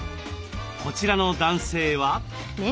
こちらの男性は？